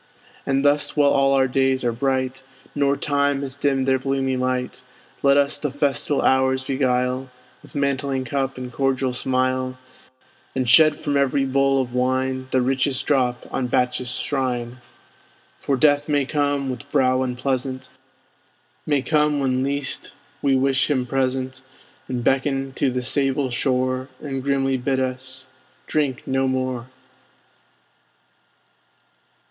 And thus while all our days are bright, Nor time has dimmed their bloomy light, Let us the festal hours beguile With mantling cup and cordial smile; And shed from every bowl of wine The richest drop on Bacchus's shrine! For Death may come, with brow unpleasant, May come when least we wish him present, And beckon to the sable shore, And grimly bid us drink no more!